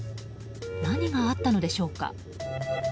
何があったのでしょうか。